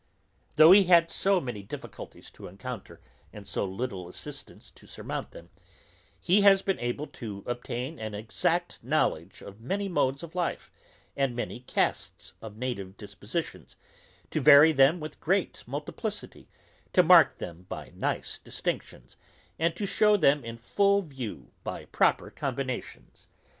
Though he had so many difficulties to encounter, and so little assistance to surmount them, he has been able to obtain an exact knowledge of many modes of life, and many casts of native dispositions; to vary them with great multiplicity; to mark them by nice distinctions; and to shew them in full view by proper combinations.